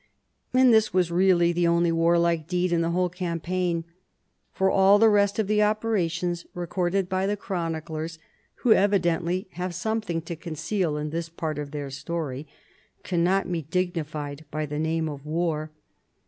And this was really the only warlike deed in the whole campaign : for all the rest of the operations recorded by the chroniclers (who evidently have some thing to conceal in this part of their story) cannot be dignified by the name of war.